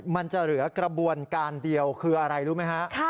มันจะเหลือกระบวนการเดียวคืออะไรรู้ไหมฮะ